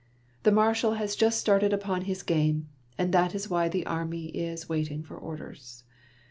The Marshal has just started upon his game, and that is why the army is waiting for orders.